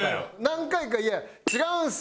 何回か「いや違うんですよ」